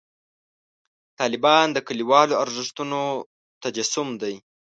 طالبان د کلیوالو ارزښتونو تجسم دی.